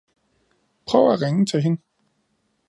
Prøv at ringe til hende.